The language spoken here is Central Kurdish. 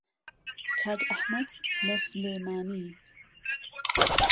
کاک ئهحمهد له سولێمانی